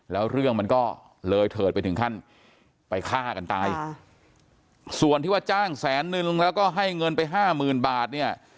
แล้วเรื่องมันก็เลยเถิดไปถึงขั้นไปฆ่ากันตายส่วนที่ว่าจ้างแสนนึงแล้วก็ให้เงินไปห้าหมื่นบาทเนี่ย